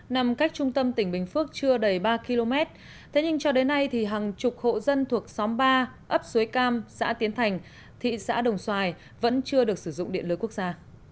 nằm cách trung tâm tỉnh bình phước chưa đầy ba km thế nhưng cho đến nay thì hàng chục hộ dân thuộc xóm ba ấp suối cam xã tiến thành thị xã đồng xoài vẫn chưa được sử dụng điện lưới quốc gia